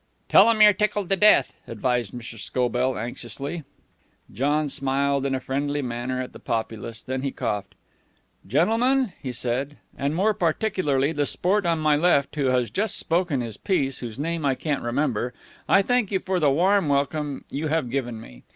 "Tell 'em you're tickled to death," advised Mr. Scobell anxiously. John smiled in a friendly manner at the populace. Then he coughed. "Gentlemen," he said "and more particularly the sport on my left who has just spoken his piece whose name I can't remember I thank you for the warm welcome you have given me.